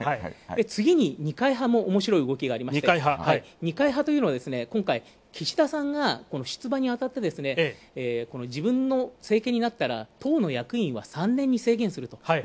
次に二階派もおもしろい動きがありまして、二階派というのは今回、岸田さんが出馬に当たって、自分の政権になったら党の役員は３年に制限すると。